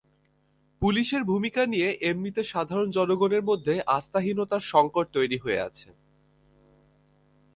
পুলিশের ভূমিকা নিয়ে এমনিতে সাধারণ জনগণের মধ্যে আস্থাহীনতার সংকট তৈরি হয়ে আছে।